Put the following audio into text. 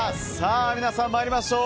皆さん参りましょう。